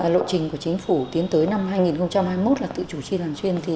lộ trình của chính phủ tiến tới năm hai nghìn hai mươi một là tự chủ chi làm chuyên